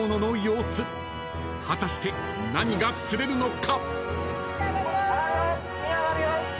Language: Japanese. ［果たして何が釣れるのか？］